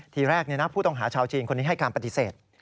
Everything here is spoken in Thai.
ทีแรกผู้ต้องหาชาวจีนคนนี้ให้การปฏิเสธ